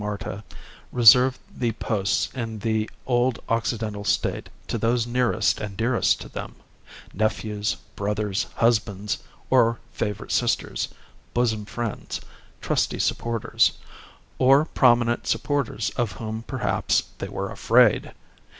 Marta) reserved the posts in the old Occidental State to those nearest and dearest to them: nephews, brothers, husbands of favourite sisters, bosom friends, trusty supporters or prominent supporters of whom perhaps they were afraid.